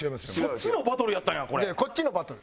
こっちのバトル。